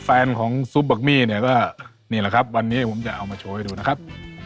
แฟนของซุปบักมี่เนี่ยก็นี่แหละครับวันนี้ผมจะเอามาโชว์ให้ดูนะครับ